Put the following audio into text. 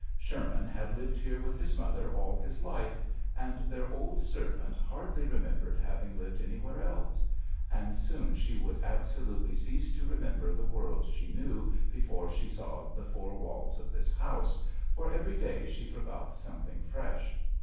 Sherman had lived here with his mother all his life, and their old servant hardly remem JOHN SHERMAN. 19 bered having lived anywhere else; and soon she would absolutely cease to remember the world she knew before she saw the four walls of this house, for every day she forgot something fresh.